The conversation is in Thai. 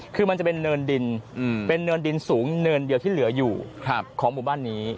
คือมันจะเป็นเนินดินเป็นเนินดินสูงเนินเดียวที่เหลืออยู่ของหมู่บ้านนี้